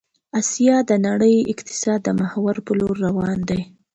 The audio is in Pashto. آسيا د نړيوال اقتصاد د محور په لور روان ده